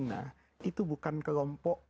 nah itu bukan kelompok